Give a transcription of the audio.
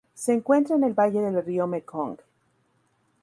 Se encuentra en el valle del río Mekong.